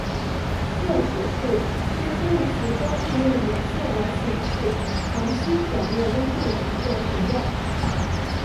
色指数是天文学中利用颜色来显示恒星表面温度的一个纯量。